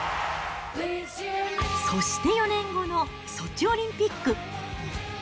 そして４年後のソチオリンピック。